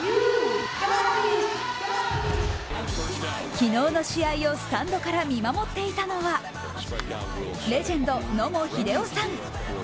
昨日の試合をスタンドから見守っていたのはレジェンド、野茂英雄さん。